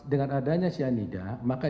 dengan adanya cyanida maka